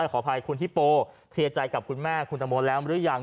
ขออภัยคุณฮิโปเคลียร์ใจกับคุณแม่คุณตังโมแล้วหรือยัง